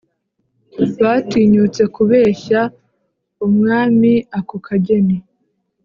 batinyutse kubeshya umwamiako kageni